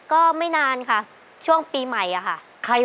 ขอเชิญแสงเดือนมาต่อชีวิตเป็นคนต่อชีวิตเป็นคนต่อชีวิต